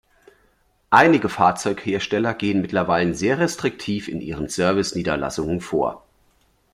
Einige Fahrzeughersteller gehen mittlerweile sehr restriktiv in ihren Service-Niederlassungen vor.